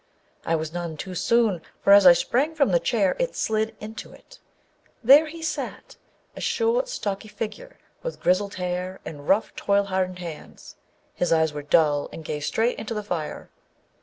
I was none too soon, for as I sprang from the chair It slid into it. There he sat â a short, stocky figure, with grizzled hair and rough, toil hardened hands. His eyes were dull and gazed straight into the fire.